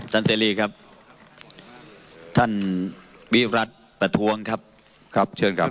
เสรีครับท่านวิรัติประท้วงครับครับเชิญครับ